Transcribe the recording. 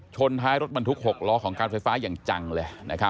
ท้ายรถบรรทุก๖ล้อของการไฟฟ้าอย่างจังเลย